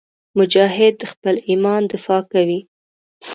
مجاهد د خپل ایمان دفاع کوي.